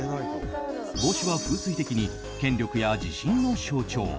帽子は風水的に権力や自信の象徴。